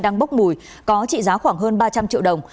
đang bốc mùi có trị giá khoảng hơn ba trăm linh triệu đồng